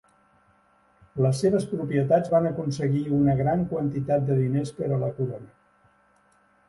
Les seves propietats van aconseguir una gran quantitat de diners per a la corona.